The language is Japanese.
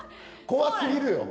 怖すぎるよ！